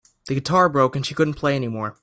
The guitar broke and she couldn't play anymore.